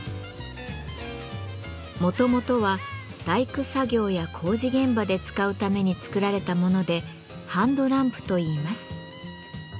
もともとは大工作業や工事現場で使うために作られたもので「ハンドランプ」といいます。